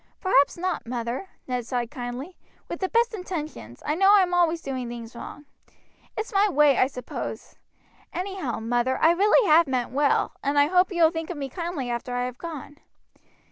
"Perhaps not, mother," Ned said kindly. "With the best intentions, I know I am always doing things wrong. It's my way, I suppose. Anyhow, mother, I really have meant well, and I hope you will think of me kindly after I have gone."